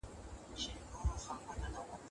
د څېړني پایلي باید په روښانه توګه خلګو ته وړاندې سي.